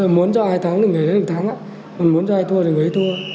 muốn cho ai thắng thì người ấy thắng muốn cho ai thua thì người ấy thua